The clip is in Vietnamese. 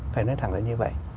phải nói thẳng là như vậy